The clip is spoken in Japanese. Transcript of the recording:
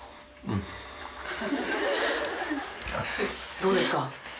どうですか？